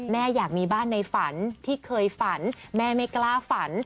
อยากมีบ้านในฝันที่เคยฝันแม่ไม่กล้าฝัน